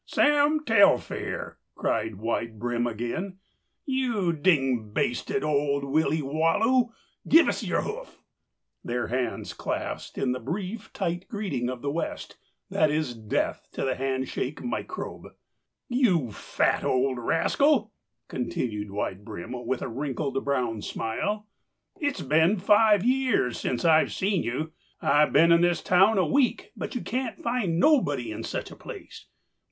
"Sam Telfair," cried Wide Brim again, "you ding basted old willy walloo, give us your hoof!" Their hands clasped in the brief, tight greeting of the West that is death to the hand shake microbe. "You old fat rascal!" continued Wide Brim, with a wrinkled brown smile; "it's been five years since I seen you. I been in this town a week, but you can't find nobody in such a place.